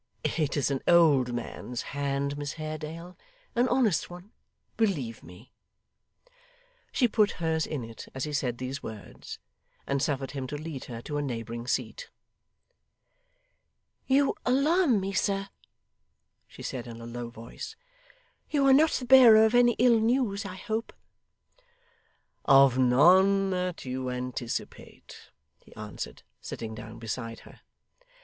It is an old man's hand, Miss Haredale; an honest one, believe me.' She put hers in it as he said these words, and suffered him to lead her to a neighbouring seat. 'You alarm me, sir,' she said in a low voice. 'You are not the bearer of any ill news, I hope?' 'Of none that you anticipate,' he answered, sitting down beside her.